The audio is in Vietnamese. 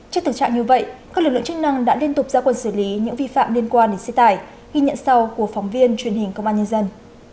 trước thực trạng như vậy các lực lượng chức năng đã liên tục ra quân xử lý những vi phạm liên quan đến xe tải ghi nhận sau của phóng viên truyền hình công an nhân dân